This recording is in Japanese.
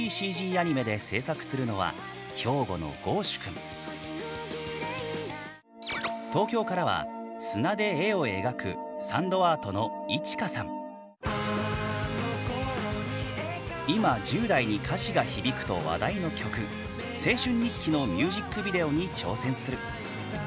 ３ＤＣＧアニメで制作するのは東京からは砂で絵を描くサンドアートの今１０代に歌詞が響くと話題の曲「青春日記」のミュージックビデオに挑戦する。